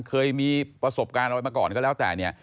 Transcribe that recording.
เคยมีประสบการณ์เอาไว้มาก่อนก็แล้วแต่